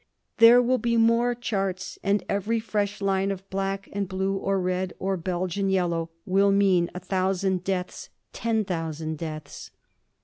There will be more charts, and every fresh line of black or blue or red or Belgian yellow will mean a thousand deaths, ten thousand deaths.